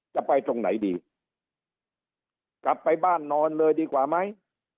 จะไปตรงไหนดีกลับไปบ้านนอนเลยดีกว่าไหม